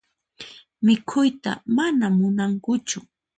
Mikhuyta mana munankuchu.